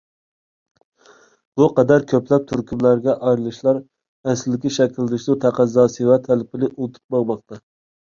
بۇ قەدەر كۆپلەپ تۈركۈملەرگە ئايرىلىشلار ئەسلىدىكى شەكىللىنىشىنىڭ تەقەززاسى ۋە تەلىپىنى ئۇنتۇپ ماڭماقتا.